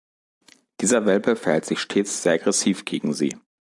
Dieser Welpe verhält sich stets sehr aggressiv gegen sie.